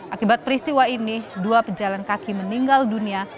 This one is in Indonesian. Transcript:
akibat peristiwa ini dua pejalan kaki meninggal dunia